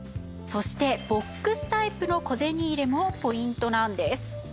そしてボックスタイプの小銭入れもポイントなんです。